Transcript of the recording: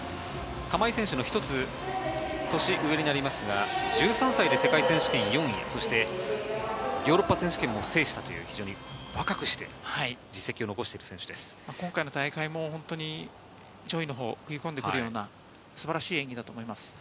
玉井選手の１つ年上になりますが、１３歳で世界選手権４位、ヨーロッパ選手権を征したという若くして実績を残している選手で今大会も上位のほう、食い込んでくるような素晴らしい演技だと思います。